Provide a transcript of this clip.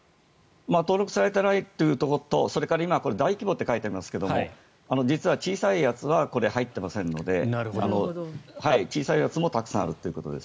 登録されてないところで今、大規模と書いてますが実は小さいやつは入っていませんので小さいやつもたくさんあるということです。